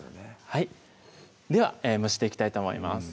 はいでは蒸していきたいと思います